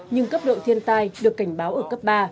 nhưng cấp độ thiên tai được cảnh báo ở cấp ba